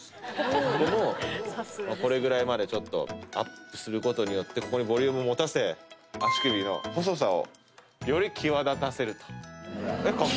ここもこれぐらいまでちょっとアップすることによってここにボリュームを持たせ足首の細さをより際立たせるとへぇ今回